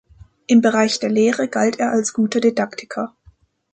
Im Bereich der Lehre galt er als guter Didaktiker.